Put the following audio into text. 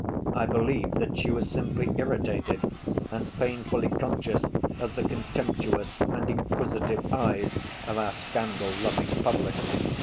I believe that she was simply irritated and painfully conscious of the contemptuous and inquisitive eyes of our scandal‐loving public.